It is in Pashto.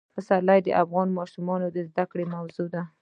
پسرلی د افغان ماشومانو د زده کړې موضوع ده.